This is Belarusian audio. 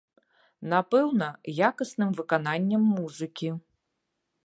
Напэўна, якасным выкананнем музыкі.